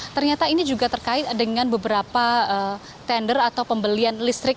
ternyata ini juga terkait dengan beberapa tender atau pembelian listrik